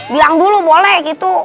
bilang dulu boleh gitu